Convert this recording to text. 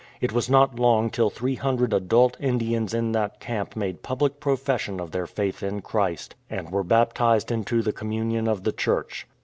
It was not long till 300 adult Indians in that camp made public pro fession of their faith in Christ, and were baptized into the communion of the Church.